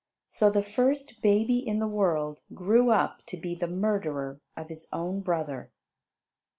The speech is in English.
So the first baby in the world grew up to be the murderer of his own brother.